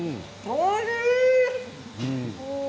おいしい！